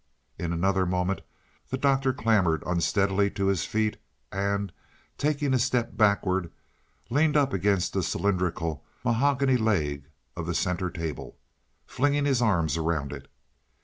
In another moment the Doctor clambered unsteadily to his feet and, taking a step backward, leaned up against the cylindrical mahogany leg of the center table, flinging his arms around it.